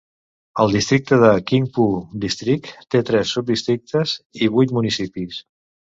El districte de Qingpu District té tres subdistrictes i vuit municipis.